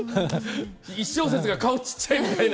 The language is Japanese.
１小節が顔小っちゃいみたいな。